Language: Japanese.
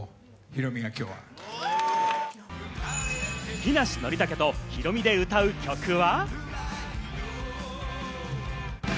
木梨憲武とヒロミで歌う曲は？